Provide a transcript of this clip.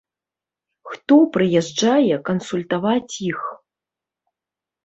Хто прыязджае кансультаваць іх?